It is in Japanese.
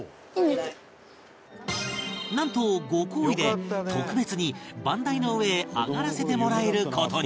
なんとご厚意で特別に番台の上へ上がらせてもらえる事に